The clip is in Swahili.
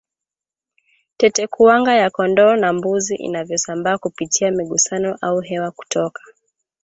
tetekuwanga ya kondoo na mbuzi inavyosambaa kupitia migusano au hewa kutoka